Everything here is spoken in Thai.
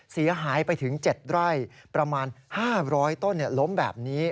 เสียหายไปถึง๗ไร่ประมาณ๕๐๐ต้นล้มแบบนี้